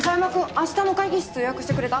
明日の会議室予約してくれた？